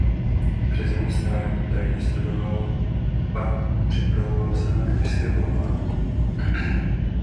Při zaměstnání tajně studoval a připravoval se na kněžské povolání.